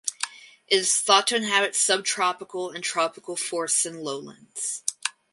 It is thought to inhabit subtropical and tropical forests and lowlands.